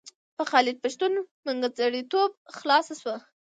په خالد پښتون منځګړیتوب خلاصه شوه.